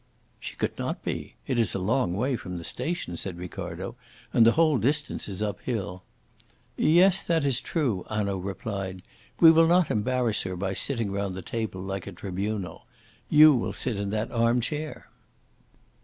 "She could not be. It is a long way from the station," said Ricardo, "and the whole distance is uphill." "Yes, that is true," Hanaud replied. "We will not embarrass her by sitting round the table like a tribunal. You will sit in that arm chair."